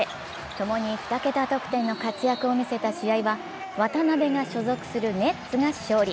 ともに２桁得点の活躍を見せた試合は渡邊が所属するネッツが勝利。